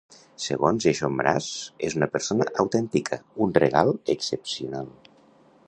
Segons Jason Mraz, "és una persona autèntica, un regal excepcional".